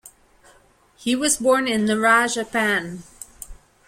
He was born in Nara, Japan.